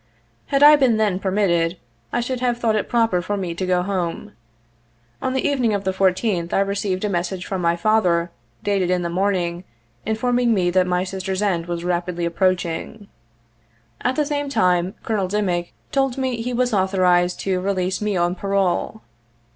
Had I been then permitted, I should have thought it proper for me to go home. On the evening of the 14th I received a message from my father, dated in the morning, informing me that my sister's end was rapidly approaching. At the same time Col. Dimick told me he was authorized to re lease me on parole.